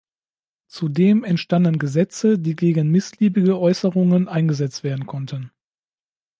Zudem entstanden Gesetze, die gegen missliebige Äußerungen eingesetzt werden konnten.